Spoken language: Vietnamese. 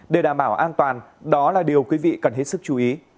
để đảm bảo an toàn đó là điều quý vị cần hết sức chú ý